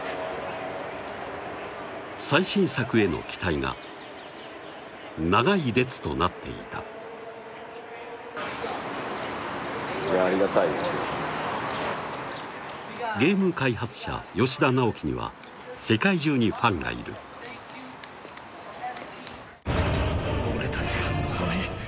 最新作への期待が長い列となっていたゲーム開発者・吉田直樹には世界中にファンがいる「俺たちが望み」